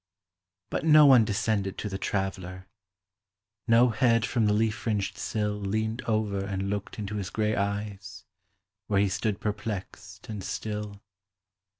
But no one descended to the Traveler; No head from the leaf fringed sill Leaned over and looked into his gray eyes, Where he stood perplexed and still.